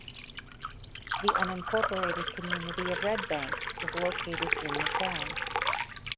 The unincorporated community of Red Banks is located in the town.